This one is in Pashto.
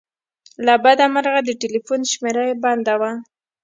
له بده مرغه د ټیلیفون شمېره یې بنده وه.